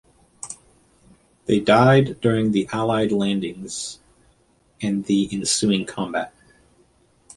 They died during the Allied landings and the ensuing combat.